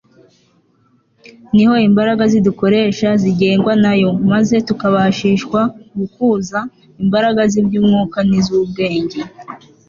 ni ho imbaraga zidukoresha zigengwa nayo, maze tukabashishwa gukuza imbaraga z'iby'umwuka n'iz'ubwenge